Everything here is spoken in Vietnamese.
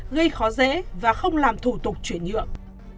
gây khó dễ và không làm thủ tục chuyển nhượng